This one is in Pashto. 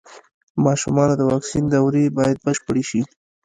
د ماشومانو د واکسین دورې بايد بشپړې شي.